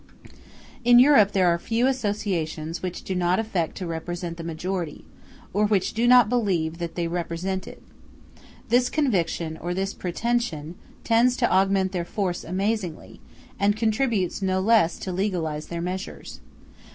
In Europe there are few associations which do not affect to represent the majority, or which do not believe that they represent it. This conviction or this pretension tends to augment their force amazingly, and contributes no less to legalize their measures.